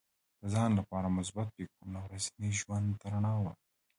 د ځان لپاره مثبت فکرونه ورځني ژوند ته رڼا ورکوي.